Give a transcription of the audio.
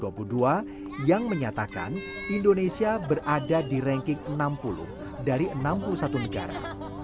tahun dua ribu dua puluh dua yang menyatakan indonesia berada di ranking enam puluh dari enam puluh satu negara